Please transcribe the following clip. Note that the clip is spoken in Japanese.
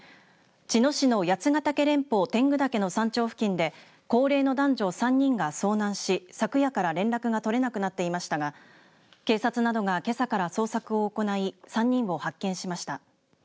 茅野市の八ヶ岳連峰天狗岳の山頂付近で高齢の男女３人が遭難し昨夜から連絡が取れなくなっていましたが警察などが、けさから捜索を行い３人を発見しました。